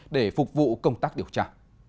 để phục vụ công tác điều tra